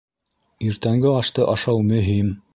Иртәнге ашты ашау мөһим.